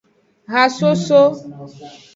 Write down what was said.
Hasoso.